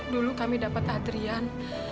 dulu kami dapet adrian